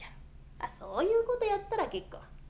あ、そういうことやったら結構。